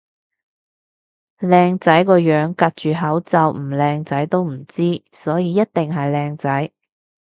靚仔個樣隔住口罩唔靚仔都唔知，所以一定係靚仔